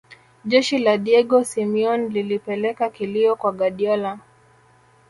jeshi la diego semeon lilipeleka kilio kwa guardiola